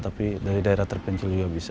tapi dari daerah terpencil juga bisa